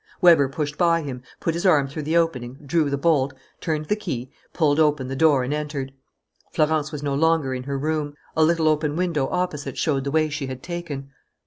Weber pushed by him, put his arm through the opening, drew the bolt, turned the key, pulled open the door and entered. Florence was no longer in her room. A little open window opposite showed the way she had taken.